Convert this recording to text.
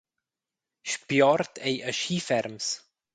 Spiord ei aschi ferms.